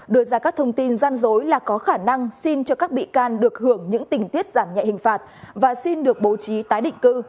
đưa ra các thông tin gian dối là có khả năng xin cho các bị can được hưởng những tình tiết giảm nhẹ hình phạt và xin được bố trí tái định cư